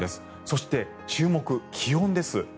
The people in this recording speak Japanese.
そして注目、気温です。